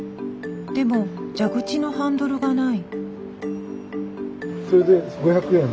でも蛇口のハンドルがない。